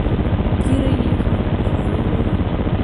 ږيره يې خرييلې وه.